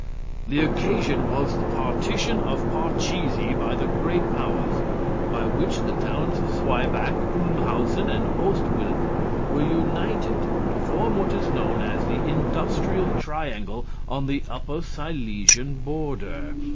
The occasion was the partition of Parchesie by the Great Powers, by which the towns of Zweiback, Ulmhausen and Ost Wilp were united to form what is known as the "industrial triangle" on the Upper Silesian border.